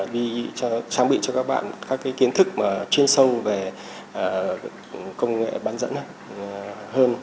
đi trang bị cho các bạn các kiến thức chuyên sâu về công nghệ bán dẫn hơn